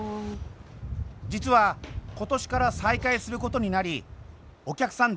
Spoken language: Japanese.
実は今年から再開することになりお客さん